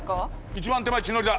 一番手前血のりだ。